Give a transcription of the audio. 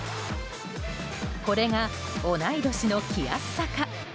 これが同い年の気安さか。